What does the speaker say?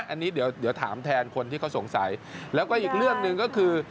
อันนี้เดี๋ยวถามแทนคนที่เขาสงสัยแล้วก็อีกเรื่องหนึ่งก็คือ